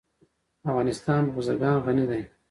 افغانستان په بزګان غني دی.